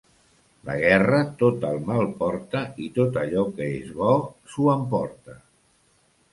La guerra tot el mal porta i tot allò que és bo s'ho emporta.